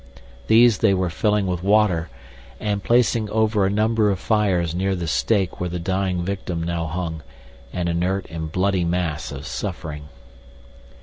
These they were filling with water and placing over a number of fires near the stake where the dying victim now hung, an inert and bloody mass of suffering.